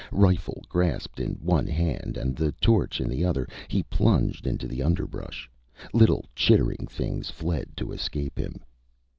Rifle grasped in one hand and the torch in the other, he plunged into the underbrush. Little chittering things fled to escape him.